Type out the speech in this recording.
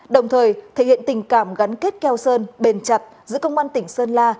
đồng thời thể hiện tình cảm gắn kết keo sơn bền chặt giữa công an tỉnh sơn la